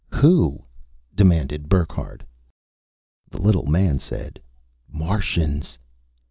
"Who?" demanded Burckhardt. The little man said, "Martians!"